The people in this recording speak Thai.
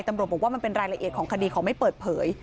ตำรวจบอกว่ามันเป็นรายละเอียดของคดีเขาไม่เปิดเผย